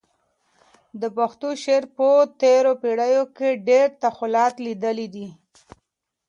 د پښتو شعر په تېرو پېړیو کې ډېر تحولات لیدلي دي.